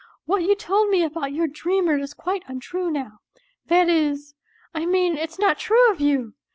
What you told me about your dreamer is quite untrue now that is, I mean, it's not true of you.